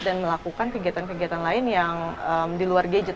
dan melakukan kegiatan kegiatan lain yang di luar gadget